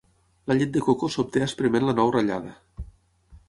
La llet de coco s'obté esprement la nou ratllada.